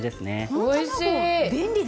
おいしい。